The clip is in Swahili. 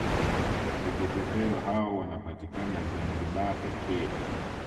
Vipepeo hao wanapatikana zanzibar peke yake